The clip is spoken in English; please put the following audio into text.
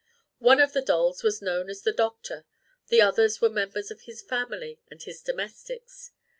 One of the dolls was known as "the doctor"; the others were the members of his family and his domestics.